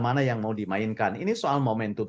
mana yang mau dimainkan ini soal momentum